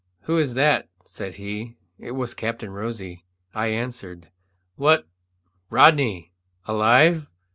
"Who is that?" said he. It was Captain Rosy. I answered. "What, Rodney! alive?"